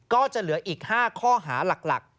ก็จะเหลืออีก๕ข้อหาหลัก